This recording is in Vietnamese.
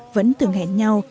vẫn từng hẹn nhau